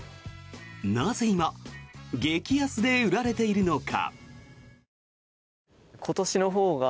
なぜ今激安で売られているのか。